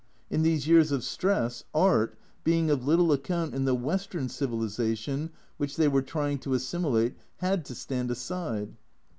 In these years of stress, Art, being of little account in the Western civilisation which they were trying to assimilate, had to stand aside.